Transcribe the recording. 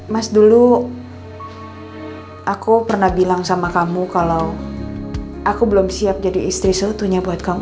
mas dulu aku pernah bilang sama kamu kalau aku belum siap jadi istri seutunya buat kamu